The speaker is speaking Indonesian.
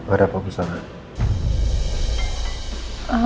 ada apa bu zara